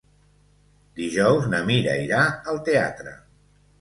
Dijous na Mira irà al teatre.